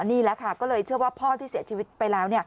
นี่แหละค่ะก็เลยเชื่อว่าพ่อที่เสียชีวิตไปแล้ว